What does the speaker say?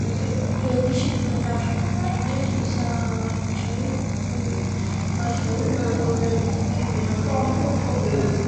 Կելդիշը գրել է աշխատություններ կիսահաղորդչային ֆիզիկայի և քվանտային ռադիոֆիզիկայի վերաբերյալ։